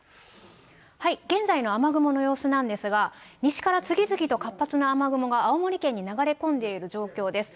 現在の雨雲の様子なんですが、西から次々と活発な雨雲が青森県に流れ込んでいる状況です。